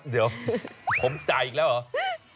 เดี๋ยวผมจ่ายอีกแล้วเหรอ